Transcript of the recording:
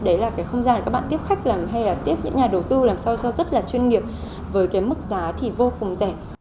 đấy là cái không gian để các bạn tiếp khách làm hay là tiếp những nhà đầu tư làm sao cho rất là chuyên nghiệp với cái mức giá thì vô cùng rẻ